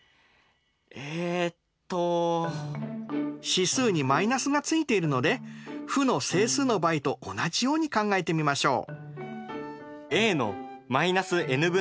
指数にマイナスがついているので負の整数の場合と同じように考えてみましょう！